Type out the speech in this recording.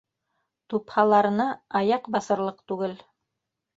Тупһаларына аяҡ баҫырлыҡ түгел.